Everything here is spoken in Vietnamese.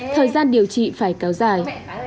thời gian điều trị phải kéo dài